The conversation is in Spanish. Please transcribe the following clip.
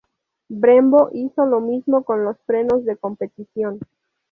Brembo hizo lo mismo con los frenos de competición.